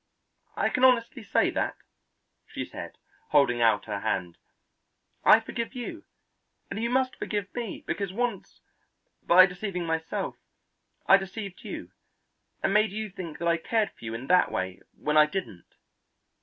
I can honestly say that," she said, holding out her hand, "I forgive you, and you must forgive me because once, by deceiving myself, I deceived you, and made you think that I cared for you in that way when I didn't."